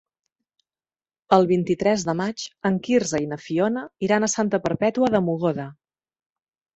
El vint-i-tres de maig en Quirze i na Fiona iran a Santa Perpètua de Mogoda.